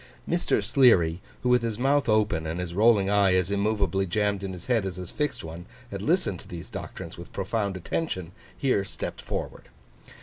Mr. Sleary, who with his mouth open and his rolling eye as immovably jammed in his head as his fixed one, had listened to these doctrines with profound attention, here stepped forward.